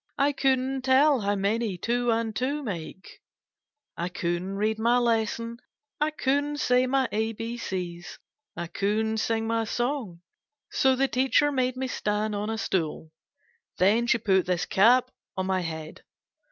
I could n't tell how many two and two make. I couldn't read my lesson. I couldn't say my A B C's. I couldn't sing my song. So the teacher made me stand on a stool. Then she put this cap on my head.